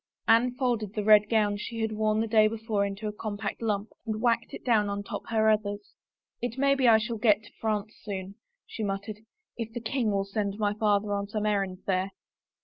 Anne folded the red gown she had worn the day before into a compact lump and whacked it down on top her others. " It may be I shall get to France soon," she muttered, " if the king will send my father on some errand there."